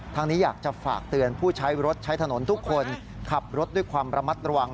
นี้อยากจะฝากเตือนผู้ใช้รถใช้ถนนทุกคนขับรถด้วยความระมัดระวัง